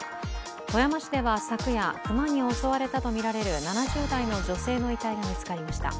富山市では昨夜、熊に襲われたとみられる７０代の女性の遺体が見つかりました。